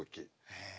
へえ。